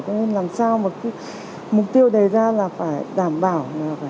nên làm sao mục tiêu đầy ra là phải đảm bảo